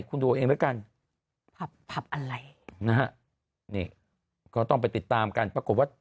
คุณดูเอาเองแล้วกันผับผับอะไรนะฮะนี่ก็ต้องไปติดตามกันปรากฏว่า